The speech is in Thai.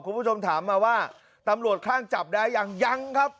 คุณผู้ชมถามมาว่าตำรวจคลั่งจับได้ยังยังครับ